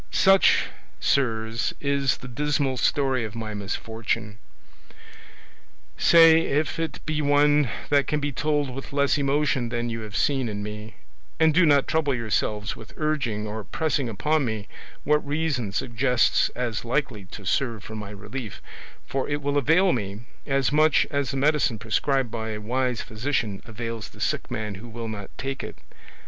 "Such, sirs, is the dismal story of my misfortune: say if it be one that can be told with less emotion than you have seen in me; and do not trouble yourselves with urging or pressing upon me what reason suggests as likely to serve for my relief, for it will avail me as much as the medicine prescribed by a wise physician avails the sick man who will not take it.